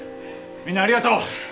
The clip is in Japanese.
みんなありがとう！